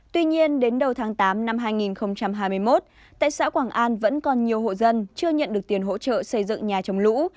tuy nhiên đến đầu tháng tám năm hai nghìn hai mươi một tại xã quảng an vẫn còn nhiều hộ dân chưa nhận được tiền hỗ trợ xây dựng nhà chống lũ